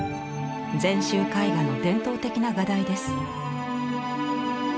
禅宗絵画の伝統的な画題です。